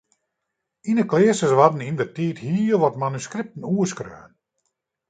Yn 'e kleasters waarden yndertiid hiel wat manuskripten oerskreaun.